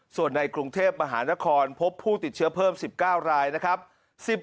ส่วนในกรุงเทพมหานครพบผู้ติดเชื้อเพิ่ม๑๙รายนะครับ